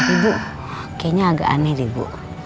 ibu kayaknya agak aneh nih bu